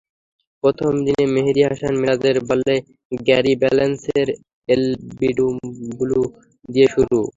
প্রথম দিনে মেহেদী হাসান মিরাজের বলে গ্যারি ব্যালান্সের এলবিডব্লু দিয়ে শুরু।